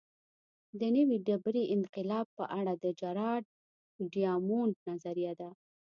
د نوې ډبرې انقلاب په اړه د جراډ ډیامونډ نظریه ده